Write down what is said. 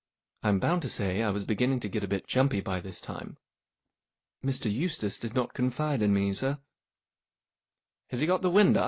" I'm bound to say I was beginning to get a bit jumpy by this time. " Mr. Eustace did not confide in me, sir." " Has he got the wind up